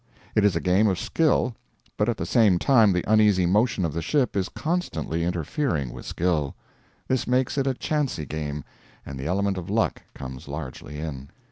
It is a game of skill, but at the same time the uneasy motion of the ship is constantly interfering with skill; this makes it a chancy game, and the element of luck comes largely in.